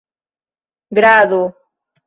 grado